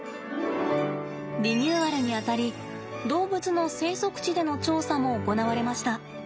リニューアルにあたり動物の生息地での調査も行われました。